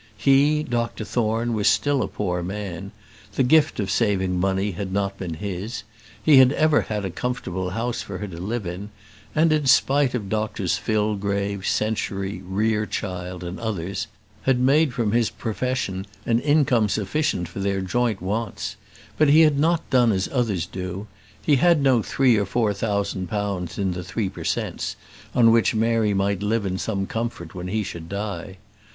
He, Dr Thorne, was still a poor man; the gift of saving money had not been his; he had ever had a comfortable house for her to live in, and, in spite of Doctors Fillgrave, Century, Rerechild, and others, had made from his profession an income sufficient for their joint wants; but he had not done as others do: he had no three or four thousand pounds in the Three per Cents. on which Mary might live in some comfort when he should die.